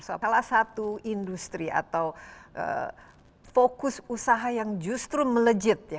soal salah satu industri atau fokus usaha yang justru melejit ya